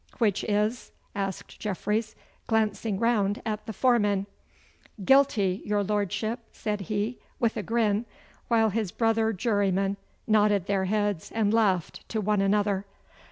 'Which is ?' asked Jeffreys, glancing round at the foreman 'Guilty, your Lordship,' said he, with a grin, while his brother jurymen nodded their heads and laughed to one another.